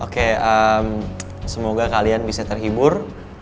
oke semoga kalian bisa terhibur